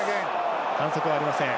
反則はありません。